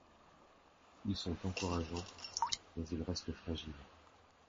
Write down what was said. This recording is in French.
Ils sont encourageants, mais ils restent fragiles.